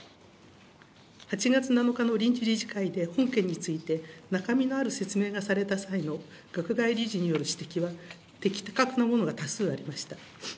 ８月７日の臨時理事会で、本件について中身のある説明がされた際の学外理事による指摘は的確なものが多数でありました。